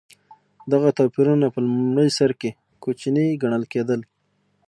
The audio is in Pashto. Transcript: دغه توپیرونه په لومړي سر کې کوچني ګڼل کېدل.